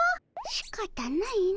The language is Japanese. しかたないの。